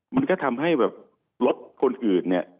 มันก็ทำให้แบบรถคนอื่นเนี่ย